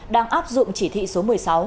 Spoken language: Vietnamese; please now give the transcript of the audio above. đang áp dụng chỉ thị số một mươi sáu